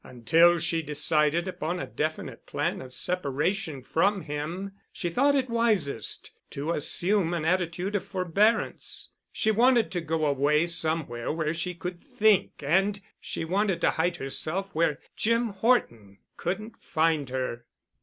Until she decided upon a definite plan of separation from him, she thought it wisest to assume an attitude of forbearance. She wanted to go away somewhere where she could think and she wanted to hide herself where Jim Horton couldn't find her.